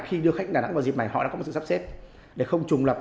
khi đưa khách đà nẵng vào dịp này họ đã có một sự sắp xếp để không trùng lập